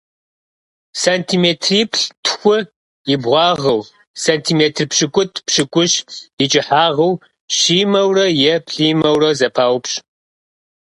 Сантиметриплӏ-тху и бгъуагъыу, сантиметр пщыкӏутӏ-пщыкӏущ и кӀыхьагъыу щимэурэ е плӀимэурэ зэпаупщӀ.